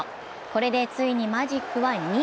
これでついにマジックは２。